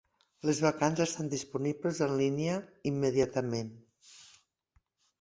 Les vacants estan disponibles en línia immediatament.